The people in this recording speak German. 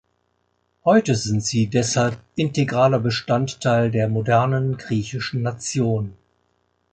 Heute sind sie deshalb integraler Bestandteil der modernen griechischen Nation.